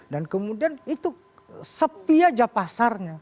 dan kemudian itu sepi saja pasarnya